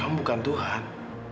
kamu bukan tuhan